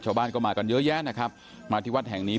ชาวบ้านก็มากันเยอะแยะนะครับมาที่วัดแห่งนี้